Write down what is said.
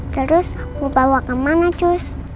terus dibawa kemana tush